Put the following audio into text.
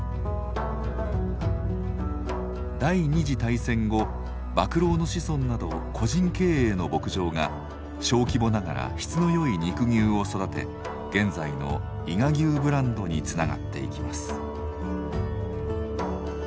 第２次大戦後馬喰の子孫など個人経営の牧場が小規模ながら質の良い肉牛を育て現在の伊賀牛ブランドにつながっていきます。